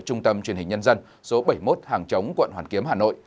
trung tâm truyền hình nhân dân số bảy mươi một hàng chống quận hoàn kiếm hà nội